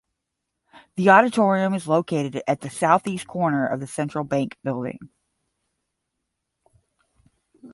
The Auditorium is located at the South-East corner of the Central Bank building.